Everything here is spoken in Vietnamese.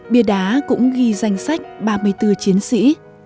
bia đá cũng ghi danh sách ba mươi bốn chiến sĩ